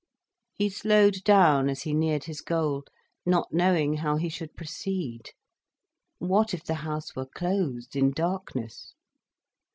He slowed down, as he neared his goal, not knowing how he should proceed. What if the house were closed in darkness?